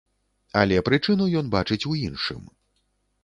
Але прычыну ён бачыць у іншым.